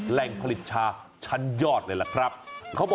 แหล่งผลิตชาชั้นยอดเลยล่ะครับ